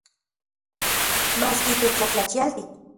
Maski tetlajtlachialti.